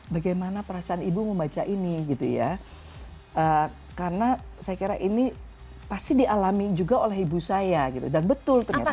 bagaimana perasaan ibu membaca ini gitu ya karena saya kira ini pasti dialami juga oleh ibu saya gitu dan betul ternyata